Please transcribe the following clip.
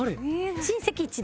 親戚一同